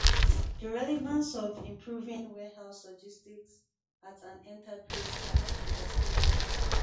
The relevance of improving warehouse logistics at an enterprise cannot be overstated.